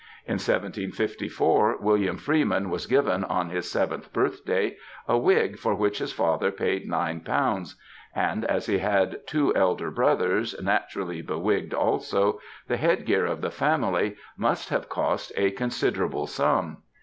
In 1754 William Freeman was given, on his seventh birthday, a wig for which his father paid ┬Ż9y and as he had two elder brothers, naturally bewigged also, the headgear of the family must have cost a considerable sum.